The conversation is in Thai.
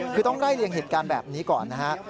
คือต้องไล่เลี่ยงเหตุการณ์แบบนี้ก่อนนะฮะ